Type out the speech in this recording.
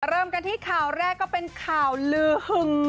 เริ่มกันที่ข่าวแรกก็เป็นข่าวลือหึง